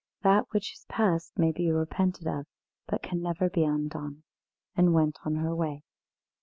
that which is past may be repented of, but can never be undone!" and went on her way.